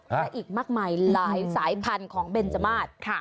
และอีกมากมายหลายสายพันธุ์ของเบนจมาส